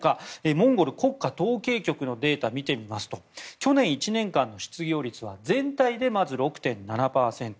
モンゴル国家統計局のデータを見てみますと去年１年間の失業率は全体でまず６．７％。